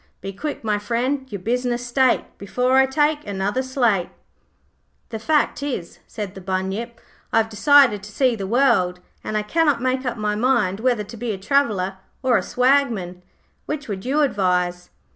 Be quick, my friend, your business state, Before I take another slate.' 'The fact is,' said the Bunyip, 'I have decided to see the world, and I cannot make up my mind whether to be a Traveller or a Swagman. Which would you advise?'